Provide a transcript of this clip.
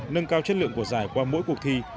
nâng cao chất lượng của giải qua mỗi cuộc thi